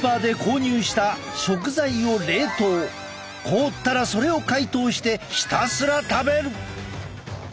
凍ったらそれを解凍してひたすら食べる。